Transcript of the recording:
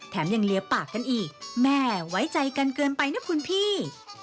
ยังเหลือปากกันอีกแม่ไว้ใจกันเกินไปนะคุณพี่